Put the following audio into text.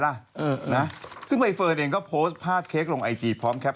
กระเทยเก่งกว่าเออแสดงความเป็นเจ้าข้าว